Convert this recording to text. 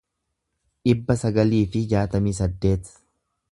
dhibba sagalii fi jaatamii saddeet